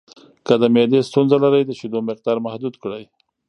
که د معدې ستونزه لرئ، د شیدو مقدار محدود کړئ.